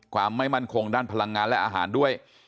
ความไม่มั่นคงด้านพลังงานและอาหารด้วย